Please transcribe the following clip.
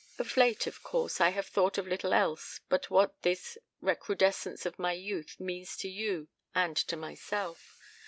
Of late, of course, I have thought of little else but what this recrudescence of my youth means to you and to myself.